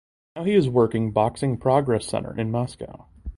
Now he is working Boxing Progress Center in Moscow.